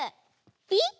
ピッ！